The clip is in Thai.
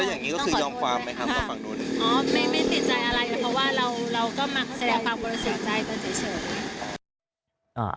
แล้วอย่างนี้ก็คือยอมความไหมครับกับฝั่งโดยอื่นอ๋อไม่เป็นติดใจอะไรเพราะว่าเราก็มาแสดงความกลัวเสียงใจก็เฉย